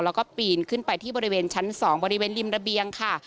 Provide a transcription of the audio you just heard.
แล้วก็ปีนขึ้นไปที่บริเวณชั้น๒บริเวณริมระเบียงค่ะ